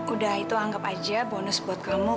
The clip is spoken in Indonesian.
udah itu anggap aja bonus buat kamu